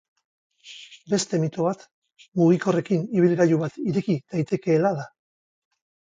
Beste mito bat, mugikorrekin ibilgailu bat ireki daitekeela da.